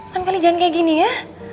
kan kali jangan kayak gini ya